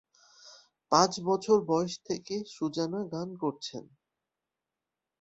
পাঁচ বছর বয়স থেকে সুজানা গান করছেন।